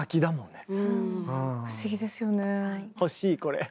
欲しいこれ。